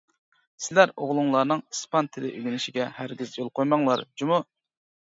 سىلەر ئوغلۇڭلارنىڭ ئىسپان تىلى ئۆگىنىشىگە ھەرگىز يول قويماڭلار جۇمۇ.